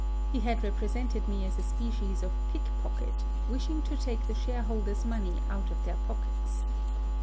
He had represented me as a species of pickpocket, wishing to take the shareholders' money out of their pockets.